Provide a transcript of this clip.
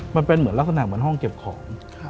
มันเป็นเหมือนลักษณะเหมือนห้องเก็บของ